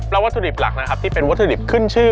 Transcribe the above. แล้ววัตถุดิบหลักนะครับที่เป็นวัตถุดิบขึ้นชื่อ